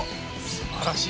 すばらしい。